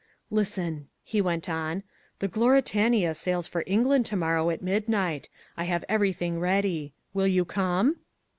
"Listen," he went on, "the Gloritania sails for England to morrow at midnight. I have everything ready. Will you come?"